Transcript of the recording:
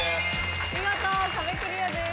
見事壁クリアです。